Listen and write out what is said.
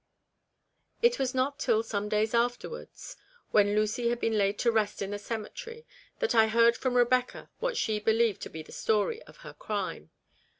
It was not till some days afterwards, when Lucy had been laid to rest in the cemetery, that I heard from Eebecca what she believed to be the story of her crime.